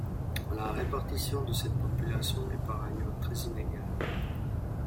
La répartition de cette population est par ailleurs très inégale.